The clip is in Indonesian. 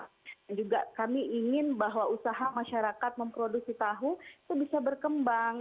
nah juga kami ingin bahwa usaha masyarakat memproduksi tahu itu bisa berkembang